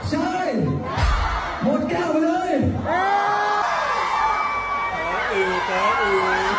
หมดเก่าเลย